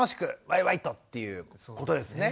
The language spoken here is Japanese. わいわいと！っていうことですね。